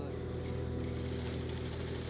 tangan kenan aryono adalah batik